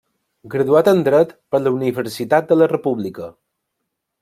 Graduat en Dret per la Universitat de la República.